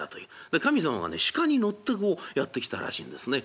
で神様がね鹿に乗ってこうやって来たらしいんですね。